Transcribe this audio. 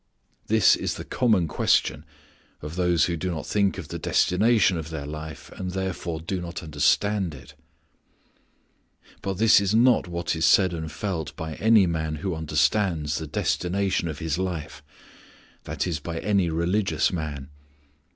is the common question of those who do not think of the destination of their life and therefore do not understand it. But this is not what is said and felt by any man who understands the destination of his life i.e. by any religious man.